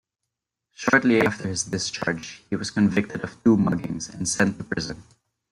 Shortly after his discharge, he was convicted of two muggings and sent to prison.